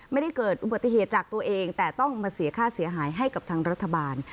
ไม่ได้เกิดอุบัติเหตุจากตัวเองแต่ต้องมาเสียค่าเสียหายให้กับทางรัฐบาล